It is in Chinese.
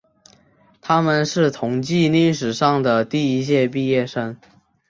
他们是同济历史上的第一届毕业生。